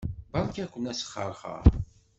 Beṛka-ken asxeṛxeṛ.